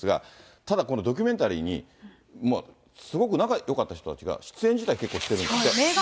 ただ、このドキュメンタリーに、すごく仲よかった人たちが結構出演辞退してるんですって。